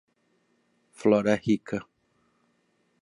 Flora Rica